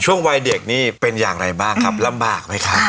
วัยเด็กนี่เป็นอย่างไรบ้างครับลำบากไหมครับ